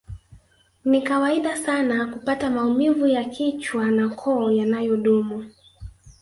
Ni kawaida sana kupata maumivu ya kichwa na koo yanayodumu